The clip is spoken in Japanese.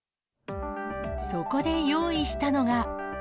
そこで用意したのが。